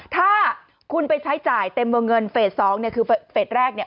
ถ้าคุณไปใช้จ่ายเต็มวงเงินเฟส๒เนี่ยคือเฟสแรกเนี่ย